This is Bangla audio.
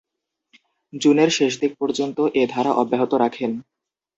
জুনের শেষদিক পর্যন্ত এ ধারা অব্যাহত রাখেন।